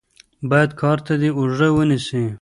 بايد کار ته دې اوږه ونيسې.